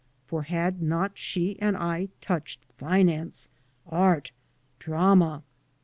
For had not she and I touched finance, art, drama?